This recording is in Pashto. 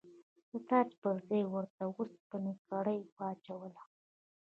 د تاج پر ځای یې ورته د اوسپنې کړۍ واچوله.